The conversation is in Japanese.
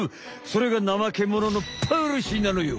それがナマケモノのポリシーなのよ！